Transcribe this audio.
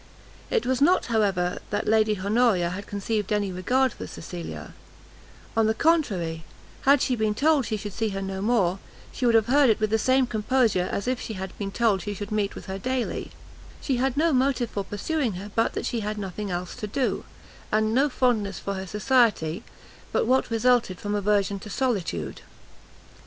It was not, however, that Lady Honoria had conceived any regard for Cecilia; on the contrary, had she been told she should see her no more, she would have heard it with the same composure as if she had been told she should meet with her daily; she had no motive for pursuing her but that she had nothing else to do, and no fondness for her society but, what resulted from aversion to solitude.